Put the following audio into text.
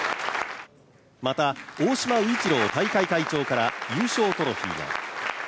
また、大島宇一郎大会会長から優勝トロフィーが。